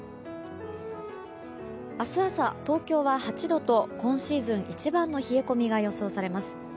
明日朝、東京は８度と今シーズン一番の冷え込みが予想されます。